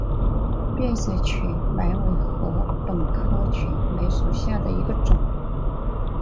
变色雀麦为禾本科雀麦属下的一个种。